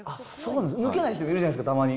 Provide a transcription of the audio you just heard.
抜けない人もいるじゃないですか、たまに。